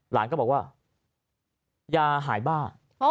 หลานก็บอกว่ายาหายบ้า